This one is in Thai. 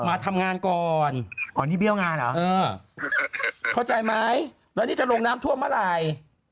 มาทำงานก่อนอ๋อนี่เบี้ยวงานเหรอเออเข้าใจไหมแล้วนี่จะลงน้ำท่วมเมื่อไหร่